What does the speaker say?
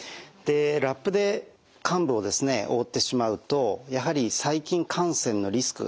ラップで患部を覆ってしまうとやはり細菌感染のリスクがですね